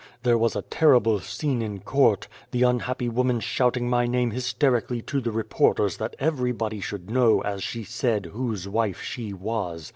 There was a terrible scene in court, the unhappy woman shouting my name hysterically to the reporters that everybody should know, as she said, whose wife she was.